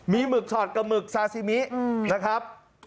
มีหมึกชอดกับหมึกซาซิมินะครับ